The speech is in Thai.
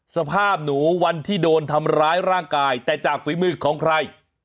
สภาพหนูวันที่โดนทำร้ายร่างกายแต่จากฝีมือของใคร